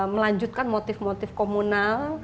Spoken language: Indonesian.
melanjutkan motif motif komunal